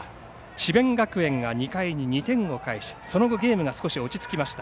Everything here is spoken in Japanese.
智弁学園が２回に２点を返しその後ゲームが少し落ち着きました。